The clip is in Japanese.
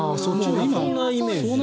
そんなイメージ。